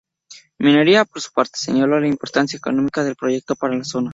Minería, por su parte, señaló la importancia económica del proyecto para la zona.